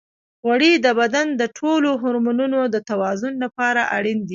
غوړې د بدن د ټولو هورمونونو د توازن لپاره اړینې دي.